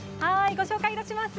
ご紹介いたします。